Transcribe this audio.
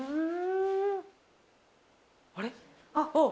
あれ？